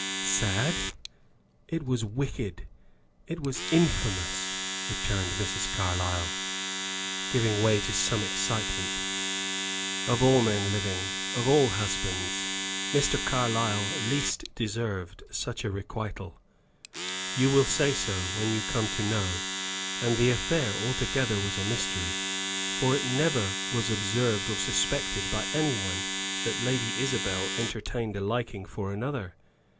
"Sad? It was wicked it was infamous!" returned Mrs. Carlyle, giving way to some excitement. "Of all men living, of all husbands, Mr. Carlyle least deserved such a requital. You will say so when you come to know. And the affair altogether was a mystery; for it never was observed or suspected by any one that Lady Isabel entertained a liking for another.